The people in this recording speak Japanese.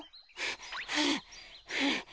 はあはあ。